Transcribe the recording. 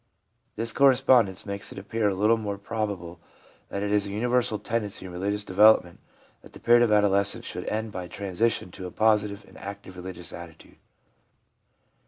This correspondence makes it appear a little more probable that it is a universal tendency in religious development that the period of adolescence should end by transition to a positive and active religious attitude.